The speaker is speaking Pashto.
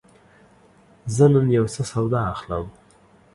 زه نن یوڅه سودا اخلم.